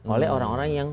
oleh orang orang yang